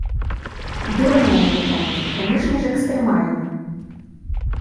Дурное пытанне, канешне ж экстрэмальна!